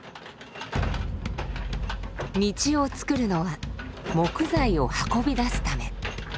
道をつくるのは木材を運び出すため。